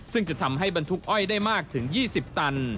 ซึ่งจะทำให้บรรทุกอ้อยได้มากถึง๒๐ตัน